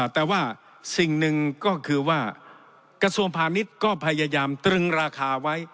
แต่ว่าสิ่งหนึ่งก็คือว่ากระทรวงพาณิชย์ก็พยายามตรึงราคาไว้